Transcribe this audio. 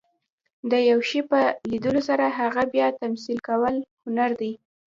د یو شي په لیدلو سره هغه بیا تمثیل کول، هنر دئ.